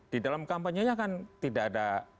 di dalam kampanyenya kan tidak ada